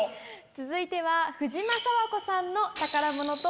続いては。